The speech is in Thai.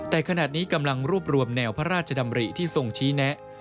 แต่ขณะนี้กำลังรวบรวมแนวพระราชดำริที่ทรงชี้แนะ